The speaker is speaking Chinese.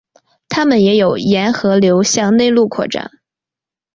它们也有沿河流向内陆扩展。